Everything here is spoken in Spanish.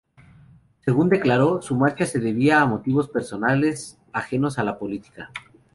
Según declaró, su marcha se debía a motivos personales, ajenos a la política.